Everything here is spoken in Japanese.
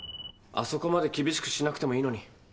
あそこまで厳しくしなくてもいいのに。